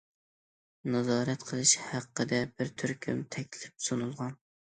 نازارەت قىلىش ھەققىدە بىر تۈركۈم تەكلىپ سۇنۇلغان.